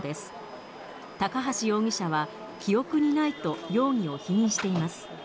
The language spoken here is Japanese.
高橋容疑者は、記憶にないと容疑を否認しています。